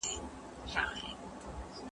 رسول الله په خپلو خبرو کي تل ریښتینی و.